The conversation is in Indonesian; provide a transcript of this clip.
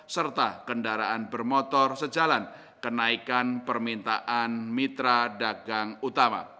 serta kendaraan bermotor sejalan kenaikan permintaan mitra dagang utama